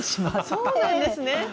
そうなんですね。